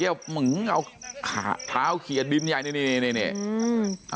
เออเมื่อกี้เอาขาวเขียดินใหญ่นี่นี่นี่อืม